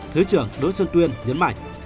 thứ trưởng đỗ xuân tuyên nhấn mạnh